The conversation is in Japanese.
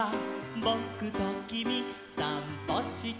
「ぼくときみさんぽして」